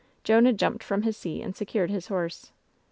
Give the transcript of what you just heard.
Jonah jumped from his seat and secured his horse.